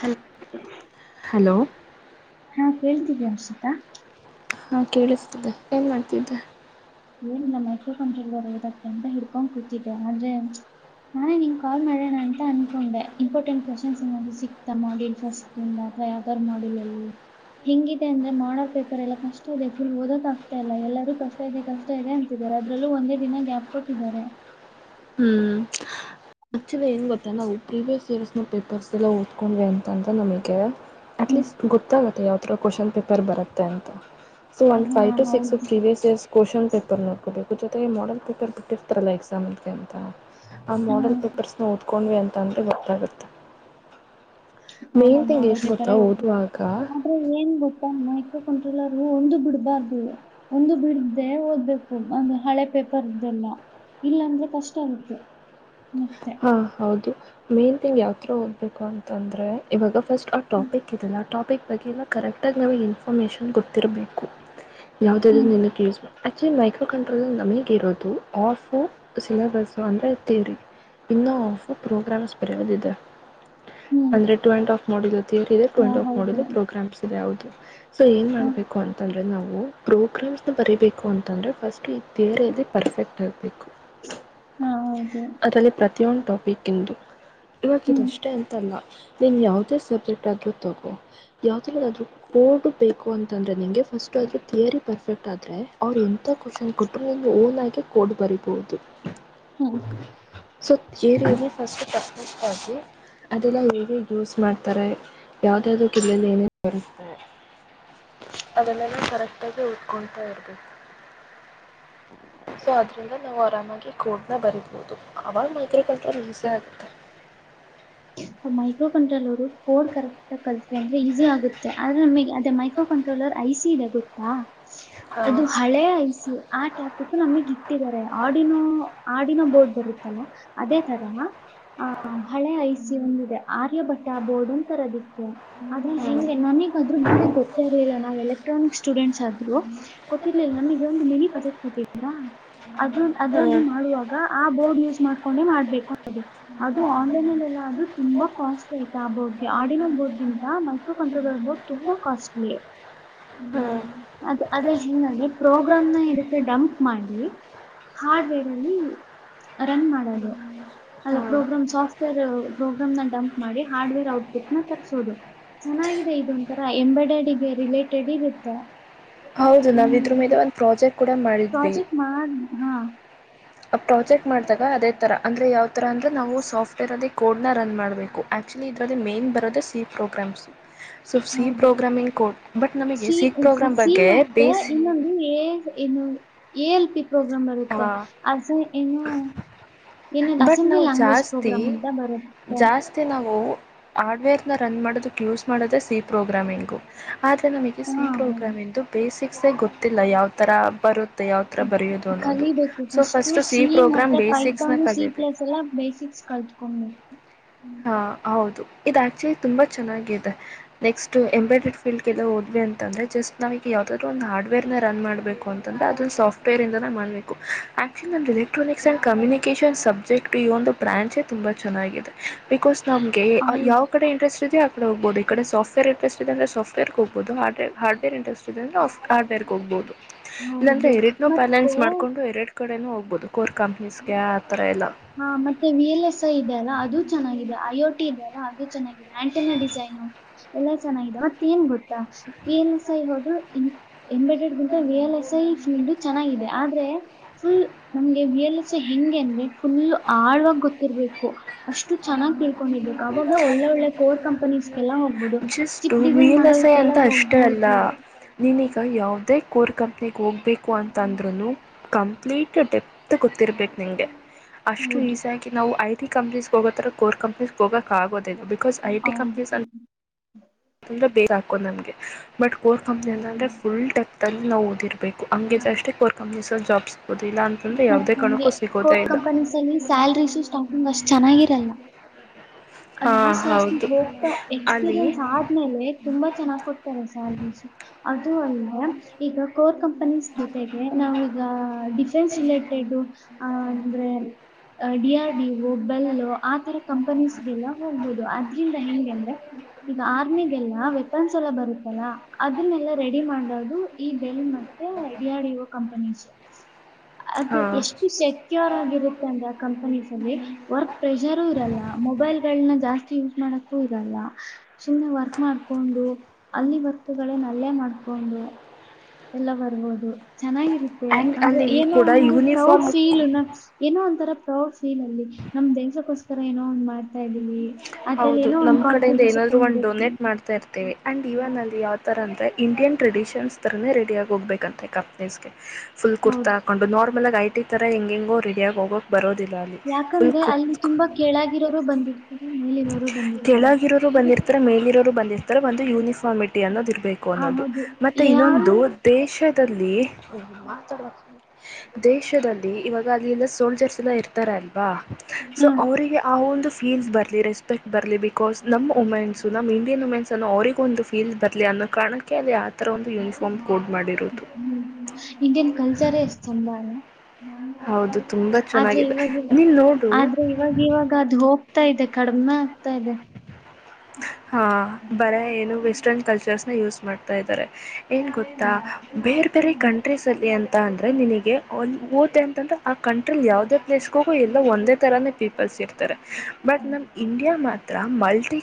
Hello hello ಹಾ ಕೇಳ್ತಿದೀಯ ಹರ್ಷಿತಾ ಹಾ ಕೇಳಿಸ್ತಿದೆ ಏನ್ ಮಾಡ್ತಿದ್ದಿಯ ಏನಿಲ್ಲ ಮೈಕ್ರೋ ಕಂಟ್ರೋಲ್ರ್ವುದಕ್ಕೆ ಅಂತ ಹಿಡ್ಕೊಂಡ್ ಕೂತಿದ್ದೆ ಆದ್ರೆ ನಾನೇ ನಿಂಗೆ ಕಾಲ್ ಮಾಡೋಣ ಅಂತ ಅನ್ಕೊಂಡೆ ಇಂಪಾರ್ಟೆಂಟ್ ಕ್ವಶನ್ಸ್ ಏನಾದರೂ ಸಿಕ್ತಾ ಮಾಡಲ್ ಫಸ್ಟ್ ಇಂದ ಮಥ ಯಾತಾರು ಮಾಡಿಲ್ಲಲ್ಲಿ ಹೆಂಗಿದೆ ಅಂದ್ರೆ ಮಾಡೋ ಪೇಪರ್ ಎಲ್ಲ ಕಷ್ಟ ಇದೆ ಫುಲ್ಓದಕ್ ಆಗ್ತ ಇಲ್ಲ ಎಲ್ಲರೂ ಕಷ್ಟ ಇದೆ ಕಷ್ಟ ಇದೆ ಅಂತಿದ್ದಾರೆ ಅದ್ರಲ್ಲೂ ಒಂದೇ ದಿನ ಗ್ಯಾಪ್ ಕೊಟ್ಟಿದ್ದಾರೆ ಹ್ಮ್ ಆಕ್ಚುಲಿ ಏನ್ ಗೊತ್ತಾ ನಾವು ಪ್ರೀವಿಯಸ್ ಇಯರ್ಸ್ ನ ಪೇಪರ್ಸ್ ಎಲ್ಲ ಓದ್ಕೊಂಡ್ವಿ ಅಂತ ಅಂತ ನಮಿಗೆ ಹ್ಮ್ ಅಟ್ಲೀಸ್ಟ್ ಗೊತ್ತಾಗುತ್ತೆ ಯಾವತರ ಕ್ವಷ್ನ್ ಪೇಪರ್ ಬರುತ್ತೆ ಅಂತ ಸೊ ಒಂದು ಹಾ five to six previous years question paper ನೋಕೋಬೇಕು ಜೊತೆಗೆ ಮಾಡೆಲ್ ಪೇಪರ್ ಬಿಟ್ಟಿರ್ತಾರಲ್ಲ ಎಕ್ಸಾಮ್ಗೆ ಅಂತ ಆ ಮಾಡೆಲ್ ಪೇಪರ್ಸ್ [inaudible] ಅಂತಂದರೆ ಗೊತ್ತಾಗುತ್ತೆ ಹಾ ಮೇನ್ ಥಿಂಗ್ ಏನ್ [unintelligible] ಗೊತ್ತಾ ಓದುವಾಗ ಓದಬೇಕು ಆದ್ರೆ ಏನ್ ಗೊತ್ತಾ ಮೈಕ್ರೋಕಂಟ್ರಲ್ಲರು ಒಂದು ಬಿಡ್ಬಾರ್ದು ಒಂದು ಬಿಡ್ದೇ ಓದ್ಬೇಕು [inaudible] [inaudible] ಇಲ್ಲಾಂದ್ರೆ ಕಷ್ಟ ಆಗುತ್ತೆ ಮತ್ತೆ. ಹಾ ಹೌದು ಮೇನ್ ತಿಂಗ್ ಯಾವತರ ಓದ್ಬೇಕು ಅಂತಂದ್ರೆ ಇವಾಗ ಫಸ್ಟ್ ಆ ಹ್ಮ್ ಟಾಪಿಕ್ ಇದೆಲ್ಲ ಆ ಟಾಪಿಕ್ ಬಗ್ಗೆಲ್ಲ ಕರೆಕ್ಟಾಗಿ ನಮಗೆ ಇನ್ಫಾರ್ಮೇಷನ್ ಗೊತ್ತಿರಬೇಕು ಹ್ಮ್ ಯಾವ್ದದೆದಲ್ಲಿೂ ನಿನಕ್ಕೆ ಯೂಸ್ ಮಾಡು ಆ್ಯಕ್ಚುಲಿ ಮೈಕ್ರೋ ಕಂಟ್ರೋಲ ನಮಗ ಇರೋದು ಆಫು ಸಿಲೆಬಸ್ಸು ಅಂದರೆ ತಿಯರಿ ಇನ್ನ ಹಾಫ್ ಪ್ರೋಗ್ರಾಮ್ಸ್ ಬರಿಯೋದು ಇದೆ ಹ್ಮ್ ಅಂದ್ರೆ ಟು ಅಂಡ ಆಫ್ ಮಾಡಲು ಥಿಯರಿ ಇದೆ ಟು ಹಾ ಅಂಡ್ ಆಫ್ ಹೌದು. ಮಾಡಲು ಪ್ರೋಗ್ರಾಮ್ಸ್ ಇದೆ ಹೌದು ಸೊ ಏನ್ ಹಾ ಮಾಡ್ಬೇಕು ಅಂತಂದ್ರೆ ನಾವು ಪ್ರೋಗ್ರಾಮ್ಸ್ ನ ಬರೀಬೇಕು ಅಂತಂದ್ರೆ ಫಸ್ಟ್ ಈ ಥಿಯರಿಲ್ಲಿ ಪರ್ಫೆಕ್ಟ್ ಆಗೆ ಹಾ ಹೌದು ಟಾಪಿಕ್ ಇಂದು ಇವಾಗ ಹ್ಮ್ ಇದಷ್ಟೆ ಅಂತಲ್ಲ ನೀನ್ ಯಾವುದೇ ಸಬ್ಜೆಕ್ಟ್ ಆಗಿ ತಗೋ ಯಾವ್ದರಲ್ಲಾದ್ರು ಅ ಕೋಡ್ಬೇಕು ಅಂತಂದ್ರೆ ನಿಂಗೆ ಫಸ್ಟ್ ಅದ್ರ ಥಿಯರಿ ಪರ್ಫೆಕ್ಟ್ ಆದ ಅವರು ಎಂತ ಕ್ವನ್ ಕೊಟ್ರು ಒಂದು ಓನ್ ಆಗಿ ಕೋಡ್ ಬರಿಬಹುದು [inaudible] ಸೊ [unintelligible] ಅದೆಲ್ಲ ಹೇಗೆ ಯೂಸ್ ಮಾಡ್ತಾರೆ ಯಾವ್ದ್ ಯಾವುದಕ್ಕೆ [inaudible] ಓದಿಕೊಂತಾ ಇರ್ಬೇಕು ಸೊ ಅದ್ರಿಂದ ನಾವು ಆರಾಮ ಹಾಗೆ ಕೋಡ್ನ ಬರೀಬೋದು ಆವಾಗ ಮೈಕ್ರೋಕಲ್ಟ್ರಲ್ ಈಜಿ ಆಗುತ್ತೆ ಹ್ಮ [inaudible] ಮೈಕ್ರೋ ಕಂಟ್ರೋಲರ್ ಕೋಡ್ ಕರೆಕ್ಟ್ ಕಲ್ಥಿವಿ ಅಂದ್ರೆ ಈಸಿ ಆಗುತ್ತೆ ಆದ್ರೆ ನಮಗೆ ಅದೇ ಮೈಕ್ರೋ ಕಂಟ್ರೋಲರ್ ಐ ಬಿಸಿಿದ ಗೊುತ್ತ [inaudible] ಹ [inaudible] ಹಾಂ ಅದು ಹಳೆ ಐಸ ಆ ಟಾಪಿಕ್ ನಮಗ್ ಇಟ್ಟಿದ್ದಾರೆ ಆಡಿನೋ ಆಡಿನೋ ಬೋರ್ಡ್ ಬರುತ್ತಲ್ಲ ಅದೇ ತರ ಹಳೆ ಐ ಓ ಒಂದಿದೆ ಆರ್ಯಭಟ್ಟ ಬೋರ್ಡ್ ಅಂತರದಿಕ್ಕೆ ಆದ್ರ ಹ್ಞೂ ಹೆಂಗೆ ನಮಗ ಆದ್ರೂ ಬ ಗೊತ್ತೇರ್ಲಿಲ್ಲ ನಾವಲ್ಲ ಎಕ್ಟ್ರಾನಿಕ್ ಸ್ಟೂಡೆಂಟ್ಸ್ ಆದ್ರು ಗೊತ್ತಿರ್ಲಿಲ್ಲ ನಮಗ ಒಂದು ಮಿನಿ ಪಸಟ್ ಕೊಟ್ಟಿಲ್ಲಾ ಅದು ಹ್ಞೂ ಅದ್ರಲ್ಲಿ ಮಾಡುವಾಗ ಆ ಬೋರ್ಡ್ ಯೂಸ್ ಮಾಡ್ಕೊಂಡೆ ಮಾಡ್ಬೇಕು ಅದು ಅದು ಆನ್ಲೈನ್ಲ್ಲ ಎಲ್ಲ ದು ತುಂಬಾ ಕಾಸ್ಟ್ಲಿ ಆಯ್ತ ಆ ಬೋರ್ಡ್ಗೆ ಆಡಿನೋ ಬೋರ್ಡ್ ಗಂತ ಮೈಕ್ರೋ ಕಂಪ್ಯೂಟರ್ ಬೋರ್ಡ್ ತುಂಬಾ ಕಾಸ್ಟ್ಲಿ ಹ್ಞೂ ಹ್ಮ ಅದ ಅದೇ ಹಿಂಗೆ ಪ್ರೋಗ್ರಾಮ್ನ ಇದಕ್ಕೆೆ ಡಂಪ್ ಮಾಡಿ ಹಾರ್ಡ್ವೇರ್ ಅಲ್ಲಿ ರನ್ ಮಾಡದು ಅಲ್ಲ ಹಾಂ ಪ್ರೋಗ್ರಾಮ್ ಸಾಫ್ಟ್ವೇರ್ ಪ್ರೋಗ್ರಾಮ್ ನ ಡಂಪ್ ಮಾಡಿ ಹಾರ್ಡ್ವೇರ್ ಔಟ್ಪುಟ್ ನ ತರ್ಸೋುದು ಚೆನ್ನಾಗಿದೆ ಇದೊ ಒಂರ ಎಂಬ್ರಾಡಡ ರಿಲೇಟೆಡ್ ಇರುತ್ತೆ ಹೌದು ನಾವ ಇದ್ರರು ಮದೆ ಒಂದ್ ಪ್ರಾಜೆಕ್ಟ್ ಕೂಡ ಮಾಡಿದ್ವಿ ಪ್ರಾಜೆಕ್ಟ್ ಮಾಡ ಹಾ ಪ್ರಾಜೆಕ್ಟ್ ಮಾಡಿದಾಗ ಅದೇ ಥರ ಅಂದ್ರೆ ಯಾವ್ ತರ ಅಂದ್ರೆ ನಾವು ಸಾಫ್ಟವೇರ್ ಅೇ ಕೋಡ್ ನ ರನ್ ಮಾಡ್ಬೇಕು ಆಕ್ಚುಲಿ ಇದ್ರದ ಮೇನ್ ಬರೋದ ಸಿ ಪ್ರೋಗ್ರಾಮ್ಸ್ ಸೊ ಸಿ ಹೌದು ಪ್ರೋಗ್ರಾಮಿಂಗ್ ಕೋಟ್ ಬಟ್ ನಮಗೆ ಸಿ ಪ್ರೋಗ್ರಾಮ್ ಬಗ್ಗೆ ಬೇಸ್ ಏನ್ನು ಎಲ್ ಪಿ ಪ್ರೋಗ್ರಾಮ್ ಬರುತ್ತೆ ಹಾಂ ಅ ಏನು ಏನ ಬಟ್ ಅಸೆಂಬ್ಲಿ ನಾವು ಲ್ಯಾಂಗ್ವೇಜ್ ಜಾಸ್ತಿ ಪ್ರೋಗ್ರಾಮ್ ಅಂತ ಬರುತ್ತ ಹಾರ್ಡ್ವೇರ್ ನ ರನ್ ಮಾಡೋದಕ್ ಯೂಸ್ ಮಾಡೋದೇ ಸಿ ಪ್ರೋಗ್ರಾಮಿಂಗು ಆದ್ರೆ ನಮಗೆ ಸಿ ಹಾ ಪ್ರೋಗ್ರಾಮ್ ಎಂದು ಬೇಸಿಕ್ಸ್ ಗೊತ್ತಿಲ್ಲ ಯಾವ ತರ ಬರುತ್ತೆ ಯಾವ ಥರ ಬರೆಯೋದು ಅನ್ನೋದು ಕಲಿಬೇಕು so first first C program ಮತ್ತೆ ಬೇಸಿಕ್ಸ್ನ ಪೈಪನ್ ಸಿ ಕಲಿಬೇಕು ಪ್ಲಸ್ ಎಲ್ಲ ಬೇಸಿಕ್ಸ್ ಕಲ್ತ [unintelligible] ಹಾ ಹೌದು ಇದು ಆಕ್ಚುಲಿ ತುಂಬಾ ಚೆನ್ನಾಗಿದೆ ನೆಕ್ಸ್ಟ್ ಎಂಬ್ರಾಯಡರಿ ಫೀಲ್ಡ್ ಲ್ಲ ಹ ಇ ಅಂತಂದ್ರೆ ಜಸ್ಟ್ ನಾವ ಈಗ ಯಾವ್ದಾದ್ ಒಂದು ಹಾರ್ಡ್ವೇರ್ ನ ರನ್ ಮಾಡ್ಬೇಕು ಅಂತಂದ್ರೆ ಅದಂದು ಸಾಫ್ಟ್ವೇರ್ ಇಂದ ಮಾಡ್ಬೇಕು actually electronics and communication subject ಈ ಒಂದು ಬ್ರಾಂಚೇ ತುಂಬಾ ಚೆನ್ನಾಗಿದೆ ಬಿಕಾಸ್ ನಮಗೆ ಹೌದು ಯಾವ ಕಡೆ ಇಂಟ್ರೆಸ್ಟ್ ಇದೆ ಆ ಕಡೆ ಹೋಗಬಹದು ಈ ಕಡೆ ಸಾಫ್ಟವೇರ್ ಇಂಟ್ರೆಸ್ಟ್ ಸಾಫ್ಟವೇರ್ ಹೋಗಬಹ ಹಡ್ ಹಾರ್ಡ್ವರ್ ಇಂಡ ಹಡ್ವೇರ್ ಹೋಗ್ಬಹುದು ಇಲ್ಲಾ್ರೆ ಹೌದು ಎರಡ್ ಮತ್ತೆ ಬ್ಯಾಲೆನ್ಸ್ ಮಾಡ್ಕೊಂಡು ಎರಡ್ ಕಡೊ ಹೋಗ್ಬಹುದು ಹಾ ಮತ್ತೆ ವಿ ಎಲ್ ಎಸ್ ಐ ಇದೆ ಅಲ್ಲ ಅದು ಚೆಗಿದೆ ಅಯೋಟಿ ಇದೆ ಹಾಗೆ ಚೆನ್ನಾಗಿದೆ ಆಂಟಿನ ಡಿಸೈನು ಎಲ್ಲಾ ಚೆನ್ನಾಗಿದೆ ಮತ್ತ ಏನ್ ಗೊತ್ತ ಏನ್ ಸಾಯ ಹೋದು ಎಂಬೇಡಡ್ಗಿಂತ V L S I field ಚೆನ್ನಾಗಿದೆ ಆದ್ರೆ ಫುಲ್ ನಮ್ಗೆ ವಿ ಎಲ್ ಎಸ್ ಹಂಗೆ ಅಂದ್ರೆ ಫುಲ್ ಆಳ್ವಾಗ ಗೊತ್ತಿರ್ಬೇಕು ಅಷ್ಟು ಚೆನ್ನಾಗಿ್ ತಿಳ್ಕೊಂಡರ್ಬೇಕು ಅವಾಗ ಒಳ್ಳೆ ಒಳ್ಳೆ ಒಳ್ಳೆ ಕೋಲ್ ಕಂಪನೀಸ್ಗೆಲ್ಲ ಹೋಗ್ಬಹುದು ಜಸ್ಟ್ ಚಿಪ್ ಡಿಸೈನ್ ರಿಯಲ್ ಎಸೈ ಮಾಡೋದಕ್ಕೆಲ್ಲ ಅಂತ ಅಷ್ಟೇ ಹೋಗ್ಬೋ ಅಲ್ಲ ನೀನೀಗ ಯಾವವುದೇ ಕೋರ್ ಕಂಪ್ನಿಗೆ ಹೋಗ್ಬೇಕು ಅಂತ ಅಂದ್ರೂ ಕಂಪ್ಲೀಟ ಡೆಪ್ತ್ ಗೊತ್ತಿರ್ಬೇಕು ನನಗೆ ಅಷ್ಟು ಹೌದು ಈಸ ಆಗಿ ನಾವು ಐಟಿ ಕಂಪ್ನಿಸ್ ಹೋಗೋತ್ತರ ಕೋರ್ ಕಂಪ್ನಿಸ್ಗೆ ಹೋಗ್ಬೇಕ ಆಗೋದ ಬಿಕಾಸ್ ಐ ಟಿ ಕಂಪನೀಸ್ ಅ ಹ್ಮ ಬೇಕೋ ನಮ್ಗೆ ಬಟ್ ಕೋರ್ ಕಂಪ್ನಿ ಅಂತಂದ್ರೆ ಫುಲ್ ಟೆಪ್ ಅಲ್ಲಿ ನಾವು ಓದಿರ್ಬೇಕ ಬೇಕು ಹಂಗಗೆ ಅಷ್ಟೇ ಕರ್ ಕಂಪ್ನಿ ಜಾಬ್ಸ್ ಸಿಗೋದಿಲ್ಲ ಅಂತಂದ ಮತ್ತೆ ಹಂಗೆ ಕೋರ್ ಕಂಪನೀಸ್ ಅಲ್ಲಿ ಸ್ಯಲ್ರಿಸು ಸ್ಟಾರ್ಟಿಂಗ್ ಅಷ್ಟ್ ಚೆನ್ನಾಗಿರಲ್ಲ [inaudible] ಹಾಂ ಲಾಸ್ಟ್ ಲಾಸ್ಟ್ ಹೌದು ಹೋಗ್ತಾ ಅಲ್ಲಿ ಎಕ್ಸ್ಪೀರಿಯನ್ಸ್ ಆದ್ಮೇಲೆ ತುಂಬಾ ಚೆನ್ನಾಗ್ ಕೊಡ್ತಾರೆ ಸಂಟಸ ಅದು ಅಲ್ಲ ಈಗ ಕೋರ್ ಕಂಪನೀಸ್ ಜೊತೆಗೆ ನಾವ ಈಗ ಡಿಫೆನ್ಸ್ ರಿಲೇಟೆಡ್ ಹ ಅಂದ್ರೆ ಡಿ ಆರ್ ಡಿಒ ಬೆಲ್ಲ ಆತರ ಕಂಪನೀಸ್ಗೆಲ್ಲ ಹೋಗ್ಬಹುದು ಇದ್ರಂದ ಹೆಂಗೆ ಅಂದ್ರೆ ಈಗ ಆರ್ಮಿಗೆಲ್ಲ ವೆಪನ್ಸ್ ಎಲ್ಲ ಬರುತ್ತಲ್ಲಾ ಅದನ್ನೆಲ್ಲಾ ರೆಡಿ ಮಾಡೋದು ಈ ಬೆಲ್ ಮತ್ತು ಎಡಿ ಆರ್ ಇಒ ಕಂಪನೀಸ್ ಅದು ಹಾಂ ಎಷ್ಟು ಸೆಕ್ಯೂರ್ ಆಗಿರುತ್ತೆ ಅಂದ್ರೆ ಕಂಪನೀಸ್ ಅಲ್ಲಿ ವರ್ಕ್ ಪ್ರೆಷರು ಇರಲ್ಲ ಮೊಬೈಲ್ಗಳನ್ನ ಜಾಸ್ತಿ ಯೂಸ್ ಮಾಡಕ್ ಇರಲ್ಲ ಸುಮ್ಮ್ನೆ ವರ್ಕ್ ಮಾಡ್ಕೊಂಡು ಅಲ್ಲಿ ವರ್ಕ್ ಗಳೇನ ಅಲ್ಲೇ ಮಾಡ್ಕೊಂಡು ಎಲ್ಲ ಬರ್ಬೋದು ಚೆನ್ನಾಗಿರುತ್ತೆ ಆ್ಯಂಡ್ ಅಂದ್ರೆ ಅಲ್ಲಿ ಕೂಡ ಒಂದು ಪ್ರೌಡ್ ಫೀಲ್ ಯೂನಿಫಾರ್ಮ್ ಏ ಒಂಥರ ಪ್ರೌಡ್ ಫೀಲ್ ಅಲ್ಲಿ ನಮ್ ದನ್ಸಕ್ಕೋಸ್ಕರ ಏನೋ ಒ್ ಮಾಡ್ತಾ ಇದೀವಿ ಹೌದು ನಮ್ ಕಡೆಯಿಂದ ಏನಾದ್ೂ ಒಂದು್ ಡೊನೇಟ್ ಮಾಡ್ತಾ ಇರ್ತೀವಿ ಅಂಡ್ ಇವನ್ ಅಲ್ಲಿ ಯಾವ್ತರ ಅಂದ್ರೆ ಇಂಡಿಯನ್ ಟ್ರೆಡಿಷನ್ಸ್ ತರನೇ ರೆಡಿ ಆಗ ಹೋಗಬೇಕಂತೆ ಕಪ್ನೀಸ್ಗೆ ಫುಲ್ ಹೌದು ಕುರ್ತಾ ಹಾಕೊಂಡು ನಾರ್ ಆಮಲೆ ಐಟಿ ತರ ಹೆಂಗೆ ಹೆಂಗೋ ರೆಿಯ ಆ ಹೋಗಕ್ ಯಾಕಂದ್ರೆ ಅಲ್ಲಿ ತುಂಬಾ ಕೇಳಾಗಿರೋರು ಬಂದಿರ್ತಾರೆ ಮೇಲಿರೋರು ಬಂದಿರ್ತಾರೆ ಕೆಳಗಿರೋರು ಬಂದಿರ್ತಾರೆ ಮೇಲಿರೋರು ಬಂದಿರ್ತಾರೆ ಒಂದು ಯೂನಿಫಾರ್ಮಿಟಿ ಅನ್ನೋದು ಇರ್ಬೇಕು ಆ ಅನ್ನೋದು ಹೌದು ಮತ್ತೆ ಯಾರು ಇನ್ನೊಂದು ದೇಶದಲ್ಲಿತ ದೇಶದಲ್ಲಿ ಇವಾಗ ಅಲ್ಲಿ ಎಲ್ಲ ಸೋಲ್ಜರ್ಸ್ ಇರ್ತಾರಲ್ವಾ ಸೊ ಹ ಅವರಿಗೆ ಆ ಒಂದು ಫೀಲ್ಸ್ ಬರ್ಲಿರ ೆಕ್ಟ್ ಬರಲಿ ಬಿಕಾಸ್ ನಮ್ಮ ಉುಮೆನ್ಸ್ು ನಮ್ ಮೆನ್ಸ್ಸನ್ನು ಅವ್ರಗ ಒಂದು ಫಲ್ ಬರ್ಲಿ ಅನ್ನೋ ಕಾರಣಕ್ಕೆ ಅ ಇಂಡಿಯನ್ ಕಲ್ಚರೇ ಇಷ್ಟಂಬಾನ ಹೌದು ತುಂಬ ಆದ್ರೆ ಚೆನ್ನಾಗಿದೆ ಇವಾಗ ನೀನು ನೋಡು ಆದ್ರೆ ಇವಾಗ ಇವಾಗ ಅದ ಹೋಗ ಆಗ್ತಾ ಇದೆ ಕಡಿಮೆ ಆಗ್ತಾ ಇದೆ ಹಾ ಬರ ಏನು ವೆಸ್ಟರ್ನ್ ಕಲ್ಚರ್ಸ್ನ ಯೂಸ್ ಮಾಡ್ತಾ ಇದಾರೆ ಏನ್ ಗೊತ್ತಾ ಬೇರೆ ಬೇರೆ ಕಂಟ್ರೀಸ್ ಅಲ್ಲಿ ಅಂತ ಅಂದ್ರೆ ನಿನಗೆ ಓದೆ ಅಂದ್ರೆ ಆ ಕಂಟ್ರಿಲಿ ಯಾವವುದೇ ಪ್ಲೇಸ್ಗೂ ಎಲ್ಲ ಒಂದ ತರಾನೇ ಪೀಪಲ್ಸ್ ಇರ್ತಾರೆ ಬಟ್ ನಮ್ ಇಂಡಿಯಾ ಮಾತ್ರ ಮಲ್ಟಿ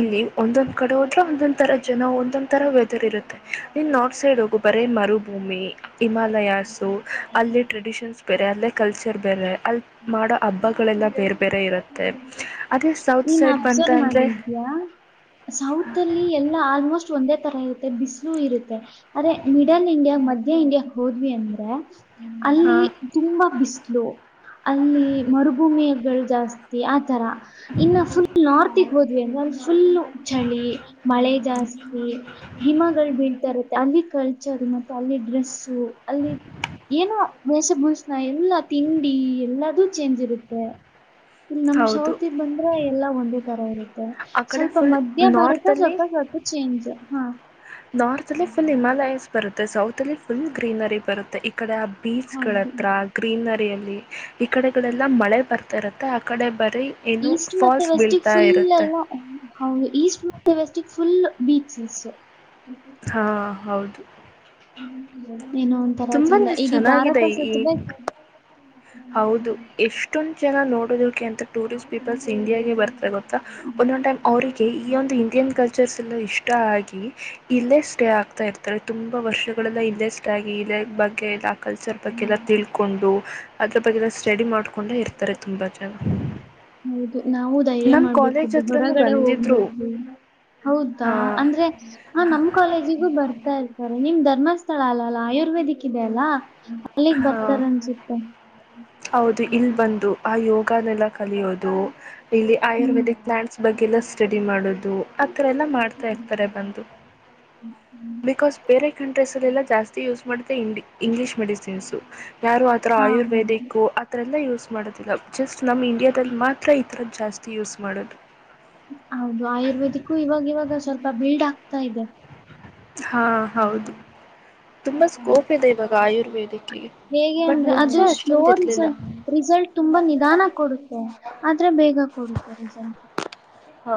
ಇಲ್ಲಿ ಒಂದೊಂದ್ ಕಡೆ ಹೋದ್ರೆ ಒಂದೊಂದ ತರ ಜನ ಒಂದೊಂದ್ ತರ ವ್ಯ ಇರುತ್ತೆ ನೀನ್ ನಾರ್ತ್ ಸೈಡ್ ಹೋಗು ಬರೇ ಮರುಭೂಮಿ ಹಿಮಾಲಯಾಸು ಅಲ್ಲಿ ಟ್ರೆಡಿಷನ್ಸ್ ಬೇರೆ ಅಲ್ಲೇ ಕಲ್ಚರ್ ಬೇರೆ ಅಲ್ಲಿ ಮಾಡೋ ಹಬ್ಬಗಳೆಲ್ಲ ಬೇರೆ ಬೇರೆ ಇರುತ್ತೆ ಅದೇ ಸೌತ್ ಸೈಡ್ ಬಂದ ್ಯಾ ಸೌತ್ ಅಲ್ಲಿ ಎಲ್ಲಾ ಆಲ್ಮೋಸ್ಟ್ ಒಂದೇ ತರ ಇರುತ್ತೆ ಬಿಸಿಲು ಇರುತ್ತೆ ಅ್ರೆ ಮಿಡಲ್ ಇಂಡಿಯಾ ಮಧ್ಯ ಇಂಡಿಯಕ್ ಹೋದ್ವಿ ಅಂದ್ರೆ ಹಾ ಅಲ್ಲಿ ತುಂಬಾ ಬಿಸಲು ಅಲ್ಲಿ ಮರುಭೂಮಿಯಗಳು ಜಾಸ್ತಿ ಆತರ ಇನ್ನ ಫುಲ್ ನಾರ್ತ್ಗೆ ಹೋದ್ವಿ ಅಂದ್ರೆ ಅ ಫುಲ್ ಚಳಿ ಮಳೆ ಜಾಸ್ತಿ ಹಿಮಗಳು ಬೀಳ್ತಾ ಇರುತ್ತೆ ಅಲ್ಲಿ ಕಲ್ಚರ್ ಮತ್ತೆ ಅಲ್ಲಿ ಡ್ರೆಸ್ಸು ಅಲ್ಲಿ ಏನೋ ವೇಷಭೂಷಣ ಎಲ್ಲಾ ತಿಂಡಿ ಎಲ್ಲಾದೂ ಚೇಂಜ್ ಇರುತ್ತೆ ಇಲ್ಲಿ ನಮ್ ಹೌದು ಸೌತ್ ಬಂದ್ರ ಎಲ್ಲಾ ಒಂದೇ ತರ ಮ ಆ ಕಡೆ ಸ್ವಲ್ಪ ಫುಲ್ ಮಧ್ಯ ನಾರ್ತ್ ಭಾರತ ಅಲ್ಲಿ ಸ್ವಲ್ಪ ಸ್ವಲ್ಪ ಚೇಂಜ್ ಹಾ ನಾರ್ತ್ ಅಲ್ಲಿ ಫುಲ್ ನಿಮಾಲ ಎಸ್ ಬರುತ್ತೆ ಸೌತ್ಲ್ಲಿ ಫುಲ್ ಗ್ರೀನರಿ ಬರುತ್ತೆ ಈ ಕಡೆ ಬೀಚ್ ಗಳ ಹೌದು. ಹತ್ರ ಗ್ರೀನರಿಯಲ್ಲಿ ಈ ಕಡೆಗಳೆಲ್ಲ ಮಳೆ ಬರ್ತಾ ಇರುತ್ತೆ ಆ ಕಡೆ ಬ ಈಸ್ಟ್ ಮತ್ತೆ ವೆಸ್ಟ ಫುಲ್ ಈಸ್ಟ್ ಮೆ ವೆಸ್ಟ ಫುಲ್ ಬೀಚಸ್ ಹಾ ಹೌದು ಹ್ಮ್ಮ ಇನ್ನ ಒಂ ತರ ಚಲ್ಲ ತುಂಬಾನೇ ಇೀ ಭಾರತ ಚೆನ್ನಾಗಿದೆ ಸ್ವಚ್ ಈ ಬಕ್ ಹೌದು ಎಷ್ಟೊಂದ ಜನ ನೋಡೋದಕ್ಕೆ ಅಂತ ಟೂರಿಸ್ಟ್ ಪೀಪಲ್ಸ್ ಇಂಡಿಯಾಗೆ ಬರ್ತ ಗೊತ್ತಾ ಒಂದಂಟ ಅವರಿಗೆ ಈ ಒಂದು ಇಂಡಿಯನ್ ಕಲ್ ರ್ಸ್ ಎಲ್ಲ ಇಷ್ಟ ಆಗಿ ಇಲ್ಲೇ ಸ್ಟೇ ಆಗ್ತಾ ಇರ್ತಾರೆ ತುಂಬಾ ವರ್ಷಗಳೆಲ್ಲ ಇಲ್ಲೇ ಸ್ಟೇ ಆ ಲೈಕ್ ಬಗ್ಗೆ ಎಲ್ಲ ಕಲ್ಚರ್ ಬಗ್ಗೆಲ್ಲ ತಿಳ್ಕೊಂಡು ಅದ್ರ ಬಗ್ಗೆಲ್ಲ ಸ್ಟಡಿ ಮಾಡ್ಕೊಂಡೆ ಇರ್ತಾರೆ ತುಂಬಾ ಜನ ಹೌದು ನಾವು ಧೈರ್ಯ ನಮ್ಮ ಮಾಡ್ಬೇಕು ಕಾಲೇಜ್ ಹತ್ರನೂ ಹೊರಗಡೆ ಬಂದಿದ್ದರು ಹೋಗ್ಬೇಕು ಹೌದಾ ಹಾಂ ಅಂದ್ರೆ ಹ ನಮ್ ಕಾಲೇಜಿಗೂ ಬರ್ತಾ ಇರ್ತಾರೆ ನಿಮರ್ ಧರ್ಮಸ್ಥಳ ಅಲ್ಲ ಅಲ್ಲ ಆಯುರ್ವೇದಿಕ್ ಇದೆ ಅಲ್ಲಾ ಅಲ್ಲಿಗ್ ಹಾಂ ಬರ್ತಾರ ಅನ್ಸುತ್ತೆ ಬಕನ್ಲ್ಲ ಕಲಿಯೋದು ಇಲ್ಲಿ ಹ್ಮ್ ಆಯುರ್ವೇದಿಕ್ ಪ್ಲಯಾಂಟ್ಸ್ ಬಗ್ಗೆ ಎಲ್ಲ ಸ್ಟಡಿ ಮಾಡೋದು ಆ ಥರ ಎಲ್ಲ ಮಾಡ್ತಾಯಿರ್ತಾರೆ ಬಂದು ಬಿಕಾಸ್ ಬೇರೆ ಕಂಟ್ರೆಸ್ಲ್ಲಲ್ಲಾ ಜಾಸ್ತಿ ಯೂಸ್ ಮಾಡ ಇಂಗ್ಲಿೀಷ್ ಮೆಡಿಸಿನ್ಸ್ು ಯಾರು ಆತರ ಹಾ ಹೌದು. ಆಯುರ್ವೇದಿಕ್ ಆ ಥರಲ್ಲ ಯೂಸ್ ಮಾಡೋದಿಲ್ಲ ಜಸ್ಟ್ ನಮ್ಮ ಇಂಡಿಯಾದಲ್ಲಿ ಮಾತ್ರ ಈ ಥರದ್ದ ಜಾಸ್ತಿ ಯೂಸ್ ಮಾಡೋದು ಹೌದು ಆಯುರ್ವೇದಿಕ್ಕು ಇವಾಗ ಇವಾಗ ಸ್ವಲ್ಪ ಬಿಲ್ಡ್ ಆಗ್ತಾ ಇದೆ ಹಾ ಹೌದು ತುಂಬಾ ಸ್ಕೋಪ್ ಇದೆ ಇವಾಗ ಆಯುರ್ವೇದಿಕೆಗೆ ಹೇಗೆ ಅಂದ್ರೆ ಅದು ಸ್ಲೋ ರಿಸಲ್ಟ್ ರಿಸಲ್ಟ್ ತುಂಬಾ ನಿಧಾನ ಕೊಡುತ್ತೆ ಆದ್ರೆ ಬೇಗ ಕೊಡ್ತರ ಹಾ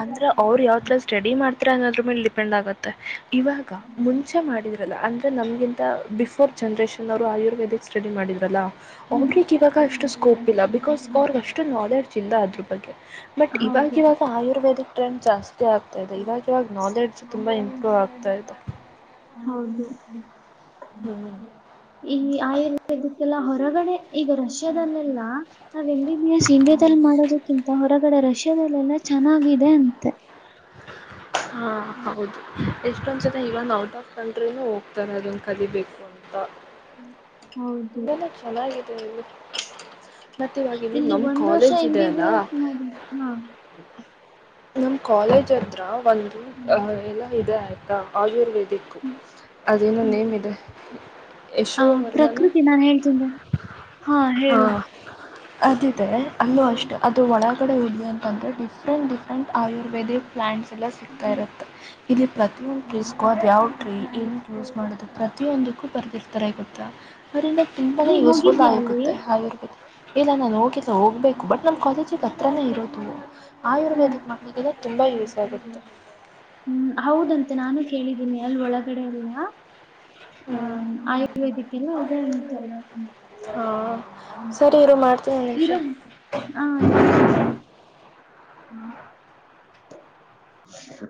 ಅಂದ್ರ ಅವ್್ರ ಯಾವ್ಥರ ಸ್ಟಡಿ ಮಾಡ್ತಾರ ಅನ್ನೋದ್ರ ಮೇಲೆ ಡಿಪೆಂಡ್ ಆಗತ್ತೆ ಇವಾಗ ಮುಂಚೆ ಮಾಡಿದ ಲ್ಲ ಅಂದರೆ ನಮಗಿಂತ ಬಿಫೋರ್ ಜನ್ರೇಷನ್ ಅವರು ಆಯುರ್ವೇದಿಕ್ ಸ್ಟಡಿ ಮಾಡಿದ್ರಲ್ಲ ಅವ್ರಗ್ ಇವಾಗ ಅಷ್ಟು ಸ್ಕೋಪ್ ಇಲ್ಲ ಬಿಕಾಸ್ ಅವ್ರಗ ಅಷ್ಟು ನಾಲೆಡ್ಜ್ ಇಲ್ಲ ಅದ್ರ ಬಗ್ಗೆ ಬಟ್ ಹೌದು ಇವಾಗವಾಗ ಆಯುರ್ವೇದಿಕ್ ಟ್ರೆಂಡ್ ಜಾಸ್ತಿ ಮುಖ ಆಗ್ತಾ ಇದೆ ಇವಾಗ ಇವಾಗ ನಾಲೆಡ್ಜ್ ತುಂಬಾ ಇಂಪ್ರೂವ್ ಆಗ್ತಾ ಇದೆ ಹೌದು ಈ ಆಯುರ್ವೇದಕ್ಕೆಲ್ಲ ಹೊರಗಡೆ ಈಗ ರಷ್ಯಾದಲ್ಲೆಲ್ಲ ನಾವ್ ಎಿನ್ಯಸ್ ಇಂಡಿಯಾದಲ್ಲಿ ಮಾಡೋದಕ್ಕಿಂತ ಹೊರ ಕೆರಗಡೆ ರಷ್ಯಾದಲ್ಲೆಲ್ಲ ಚೆನ್ನಾಗಿದೆ ಅಂತೆ ಹಾ ಹೌದು ಎಷ್ಟೊಂದ್ಸಲ ಇವಂದು ಔಟ್ ಆಫ್ ಕಂಟ್ರಿನೂ ಹೋಗ್ತಾರೆ ಅದೊನ್ನ ಕಲಿಬೇಕು ಅಂತ ಹೌದು ಹ [unintelligible] ಮತ್ತೆ ಇವಾಗಲ್ಲಿ ಇಲ್ಲಿ ನಮ್ ಒಂದ್ ವರ್ಷ ಕಾಲೇಜ್ ಎಂ ಇದೆ ಬಿ ಅಲ್ಲ ಬಿ ಎಸ್ ಮಾಡಿ ಹಾ ಚತ್ರ ಒಂದು ಅಹ ಎಲ್ಲ ಇದೆ ಆಯ್ತಾ ಆಯುರ್ವೇದಿಕ್ ಅದೇನೋ ನೇಮ್ ಇದೆ ಆ ಯಶೋವರ್ಮಾನ ಪ್ರಕೃತಿ ನಾನ್ ಹೇಳ್ತೀನಿ ಹಾ [unintelligible] ಅದರೆ ಅಲ್ಲೂ ಅಷ್ಟು ಅದು ಒಳಗಡೆ ಇೋಗಲಿ ಅಂತಂದರೆ ಡಿಫ್ರೆಂಟ್ ಡಿಫ್ರೆಂಟ್ ಆಯುರ್ವೇದಿಕ್ ಪ್ಲಯಾಂಟ್ಸ್ ಎಲ್ಲ ಸಿಗ್ತಾ ಇರುತ್ತೆ ಇಲ್ಲಿ [unintelligible] ಪ್ರತಿಯೊಂದು ಟ್ರೀಸ್ಗೂ ಅ ಯಾವ ಟ್ರೀ ಏನ ಯೂಸ್ ಮಾಡೋದು ಪ್ರತಿಯೊಂದಕ್ಕೂ ಬರೆದಿರ್ತಾರೆ ಗೊತ್ತಾ ಅವರಿಂದ ತುಂಬಾ ನೀ ಯೂಸ್ಫುಲ್ ಹೋಗಿದ್ಯಾ ಅಲ್ಲಿ? ಆಗುತ್ತೆ ಆಯುರ್ವೇದ ಇಲ್ಲ ನಾನು ಹೋಗಿದ್ದಿಲ್ಲ ಹೋಗಬೇಕು ಬಟ್ ನಮ್ಮ ಕಾಲೇಜಿಗೆ ಹತ್ರೇ ಇರೋದು ಹಾ ಆಯುರ್ವೇದಿಕ್ ಮಕ್ಕಳ ತುಂಬಾ ಯಸ್ ಹ್ಮ್ ಹೌದಂತೆ ನಾನು ಕೇಳಿದ್ದೀನಿ ಅಲ್ಲಿ ಒಳಗಡೆ ಎಲ್ಲ ಹ್ಮ್ ಎಲ್ಲಾ ಇದೆ ಅಂತೆ ಹ [unintelligible] ಹ ಸರಿ ಇರು ಮಾಡ್ತೀನಿ ನಿಮಿಷ ಇರು ಹ್ಮ್ [unintelligible]